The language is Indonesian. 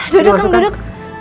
duduk kum duduk